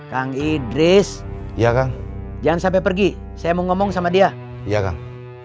kang idris ya kang jangan sampai pergi saya mau ngomong sama dia ya kang